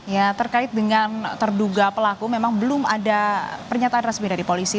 ya terkait dengan terduga pelaku memang belum ada pernyataan resmi dari polisi